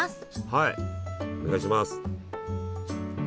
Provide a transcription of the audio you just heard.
はいお願いします！